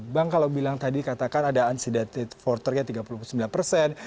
bang kalau bilang tadi katakan ada ansi datit futernya tiga puluh sembilan persen